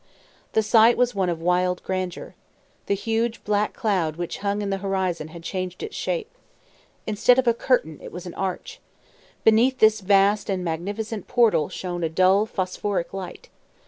The sight was one of wild grandeur. The huge, black cloud which hung in the horizon had changed its shape. Instead of a curtain it was an arch. Beneath this vast and magnificent portal shone a dull phosphoric light.